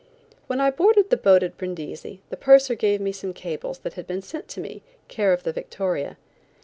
When I boarded the boat at Brindisi the purser gave me some cables that had been sent to me, care of the Victoria.